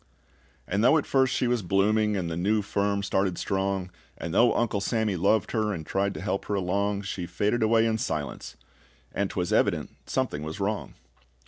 And though at first she was blooming, And the new firm started strong, And though Uncle Sammy loved her, And tried to help her along, She faded away in silence, and 'twas evident something was wrong.